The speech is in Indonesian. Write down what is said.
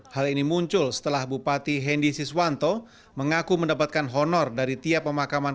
hal ini muncul setelah bupati hendi siswanto mengaku mendapatkan honor dari tiap pemakaman